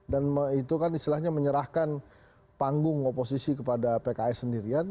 dan itu kan istilahnya menyerahkan panggung oposisi kepada pks sendirian